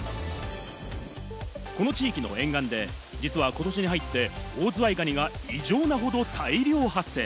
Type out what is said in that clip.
この地域の沿岸で実はことしに入って、オオズワイガニが異常なほど大量発生。